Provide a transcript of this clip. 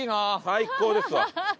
最高ですわ。